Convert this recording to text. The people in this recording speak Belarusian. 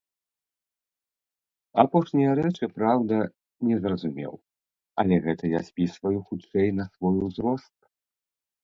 Апошнія рэчы, праўда, не зразумеў, але гэта я спісваю хутчэй на свой узрост.